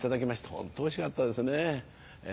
ホントおいしかったですね。